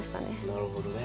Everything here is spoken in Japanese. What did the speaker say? なるほどね。